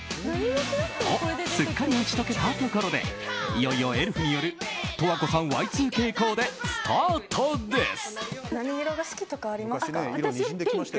と、すっかり打ち解けたところでいよいよエルフによる十和子さんＹ２Ｋコーデスタートです。